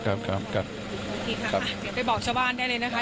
ครับครับครับโอเคค่ะอ่ะไปบอกชาวบ้านได้เลยนะคะ